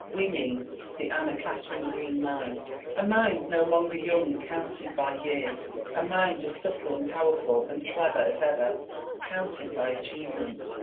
We mean the Anna Katharine Green Mind, a Mind no longer young counted by years, a Mind as subtle and powerful and clever as ever, counted by achieve ment.